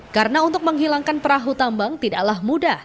karena untuk menghilangkan perahu tambang tidaklah mudah